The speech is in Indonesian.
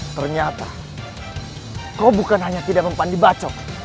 ternyata kau bukan hanya tidak mempandu baco